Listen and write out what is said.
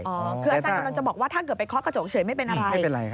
คืออาจารย์กำลังจะบอกว่าถ้าเกิดไปเคาะกระจกเฉยไม่เป็นอะไรไม่เป็นไร